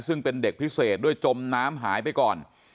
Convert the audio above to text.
ซึ่งเป็นเด็กพิเศษด้วยจมน้ำหายไปก่อน